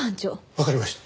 わかりました。